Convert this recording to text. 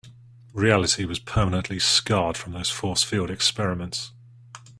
Reality was permanently scarred from those force field experiments.